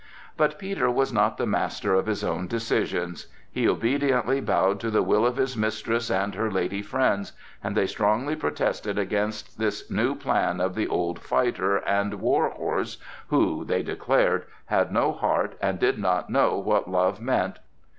But Peter was not the master of his own decisions. He obediently bowed to the will of his mistress and her lady friends, and they strongly protested against this new plan of the old fighter and "war horse," who, they declared, had no heart and did not know what love meant.